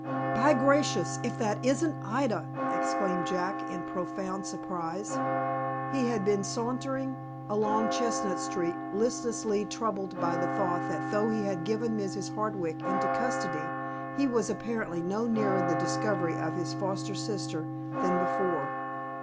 "BY gracious, if that isn't Ida!" exclaimed Jack, in profound surprise. He had been sauntering along Chestnut Street, listlessly, troubled by the thought that though he had given Mrs. Hardwick into custody, he was apparently no nearer the discovery of his foster sister than before.